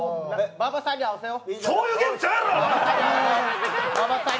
馬場さんに合わせよう。